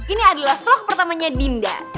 ini adalah vlog pertamanya dinda